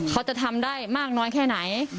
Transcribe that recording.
เขาจะทำได้มากน้อยแค่ไหน